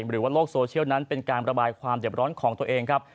หรือว่าโลกโซเชียลนั้นเป็นการระบายความเจ็บร้อนของตัวเองครับ